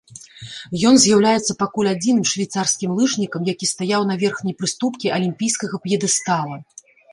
Ён з'яўляецца пакуль адзіным швейцарскім лыжнікам, які стаяў на верхняй прыступкі алімпійскага п'едэстала.